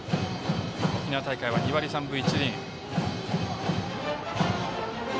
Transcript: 沖縄大会は２割３分１厘。